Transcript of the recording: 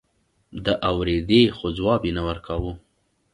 ده اورېدې خو ځواب يې نه ورکاوه.